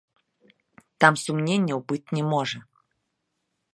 Там сумненняў быць не можа.